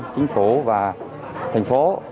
chính phủ và thành phố